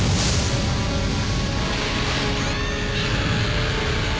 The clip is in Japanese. うわ！！